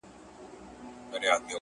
o شېخ د خړپا خبري پټي ساتي ـ